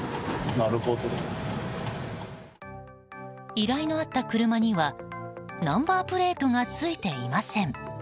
依頼のあった車にはナンバープレートが付いていません。